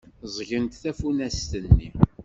Ẓẓgent tafunast-nni.